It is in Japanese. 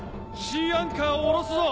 シーアンカーを下ろすぞ！